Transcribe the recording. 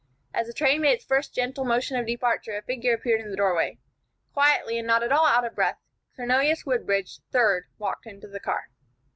As the train made its first gentle motion of departure, a figure appeared in the doorway. Quietly, and not at all out of breath, Cornelius Woodbridge, Third, walked into the car.